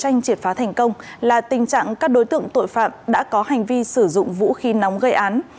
tranh triệt phá thành công là tình trạng các đối tượng tội phạm đã có hành vi sử dụng vũ khí nóng gây án